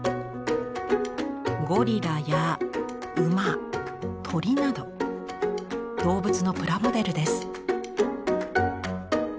ゴリラや馬鳥など動物のプラモデルです。